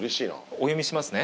お読みしますね。